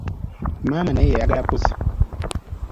Maama naye yayagala pussi.